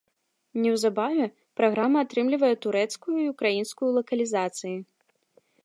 Неўзабаве праграма атрымлівае турэцкую і ўкраінскую лакалізацыі.